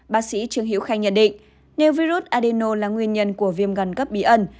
bác sĩ trương hiễu khanh nhận định nếu virus adeno là nguyên nhân của viêm gan cấp bí ẩn